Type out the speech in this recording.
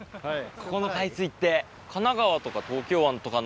ここの海水って。